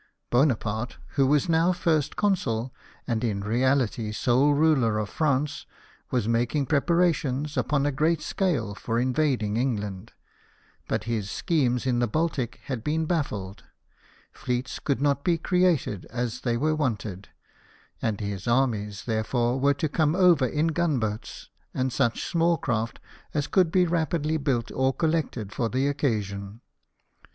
Bonaparte, who was now First Consul, and in reality sole ruler of France, was making preparations, upon a great scale, for invading Eng land ; but his schemes in the Baltic had been baffled — fleets could not be created as they were wanted — and his armies, therefore, were to come over in gun boats and such small craft as could be rapidly built or collected for the occasion.